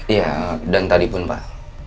iya dan tadipun pak